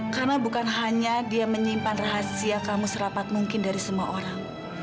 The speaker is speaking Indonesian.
karena bukan hanya dia menyimpan rahasia kamu serapat mungkin dari semua orang